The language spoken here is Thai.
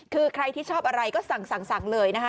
คือใครที่ชอบอะไรก็สั่งเลยนะคะ